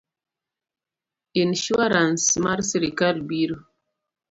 Insuarans mar sirkal biro